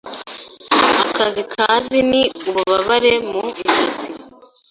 Aka kazi ni ububabare mu ijosi.